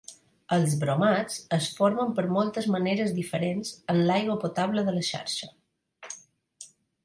Els bromats es formen per moltes maneres diferents en l'aigua potable de la xarxa.